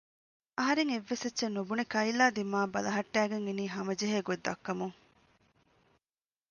އަހަރެން އެއްވެސް އެއްޗެއް ނުބުނެ ކައިލްއާ ދިމާއަށް ބަލަހައްޓައިގެން އިނީ ހަމަޖެހޭ ގޮތް ދައްކަމުން